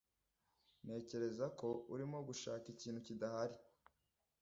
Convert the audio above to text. Ntekereza ko urimo gushaka ikintu kidahari.